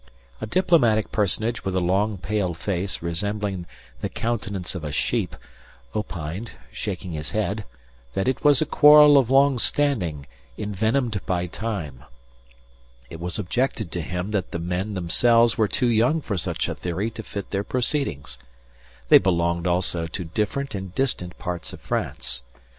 A diplomatic personage with a long pale face resembling the countenance of a sheep, opined, shaking his head, that it was a quarrel of long standing envenomed by time. It was objected to him that the men themselves were too young for such a theory to fit their proceedings. They belonged also to different and distant parts of France.